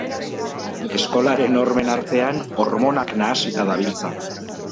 Eskolaren hormen artean hormonak nahasita dabiltza.